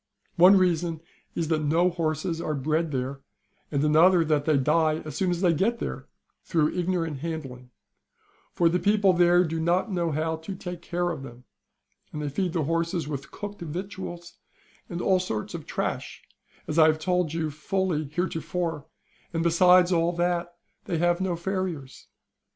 One reason is that no horses are bred there, and another that they die as soon as they get there, through ignorant handling; for the people there do not know how to take care of them, and they feed the horses with cooked victuals and all sorts of trash, as I have told you fully heretofore ; and besides all that they have no farriers.